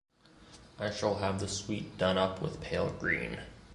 I shall have the suite done up with pale green.